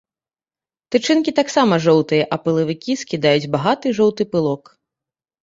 Тычынкі таксама жоўтыя, а пылавікі скідаюць багаты жоўты пылок.